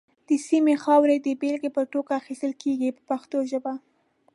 د سیمې خاوره د بېلګې په توګه اخیستل کېږي په پښتو ژبه.